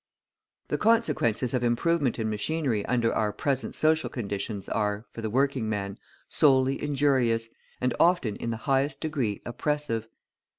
The consequences of improvement in machinery under our present social conditions are, for the working man, solely injurious, and often in the highest degree oppressive.